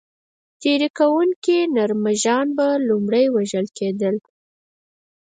تېري کوونکي نر مږان به لومړی وژل کېدل.